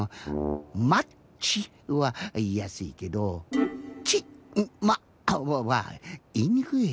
「マッチ」はいいやすいけど「チッマ」はいいにくい。